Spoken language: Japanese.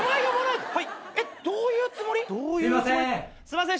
すいません